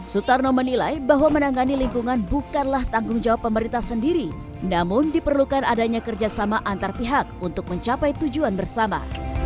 sutarno menilai bahwa menangani lingkungan bukanlah tanggung jawab pemerintah sendiri namun diperlukan adanya kerjasama antar pihak untuk mencapai tujuan bersama